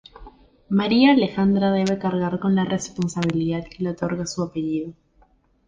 María Alejandra debe cargar con la responsabilidad que le otorga su apellido.